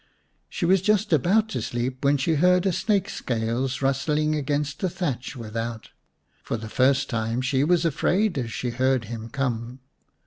She was just about to sleep when she heard a snake's scales rustling against the thatch without. For the first time she was afraid as she heard him come.